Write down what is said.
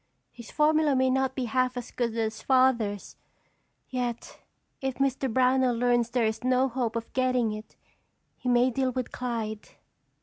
His formula may not be half as good as Father's, yet if Mr. Brownell learns there is no hope of getting it he may deal with Clyde."